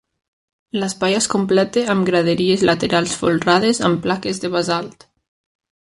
L'espai es completa amb graderies laterals folrades amb plaques de basalt.